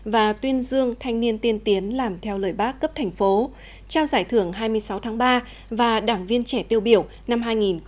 và tuyên dương thanh niên tiên tiến làm theo lời bác cấp thành phố trao giải thưởng hai mươi sáu tháng ba và đảng viên trẻ tiêu biểu năm hai nghìn hai mươi